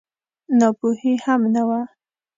ناپوهي هم نه وه.